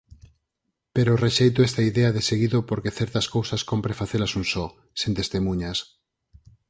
Pero rexeito esta idea deseguido porque certas cousas cómpre facelas un só, sen testemuñas.